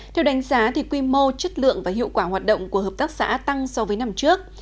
theo đánh giá quy mô chất lượng và hiệu quả hoạt động của hợp tác xã tăng so với năm trước